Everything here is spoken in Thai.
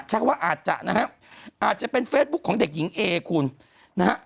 ว่าอาจจะนะฮะอาจจะเป็นเฟซบุ๊คของเด็กหญิงเอคุณนะฮะ